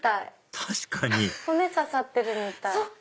確かに骨刺さってるみたい。